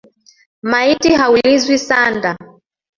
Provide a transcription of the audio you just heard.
Maiti haulizwi sanda